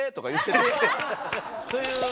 そういう。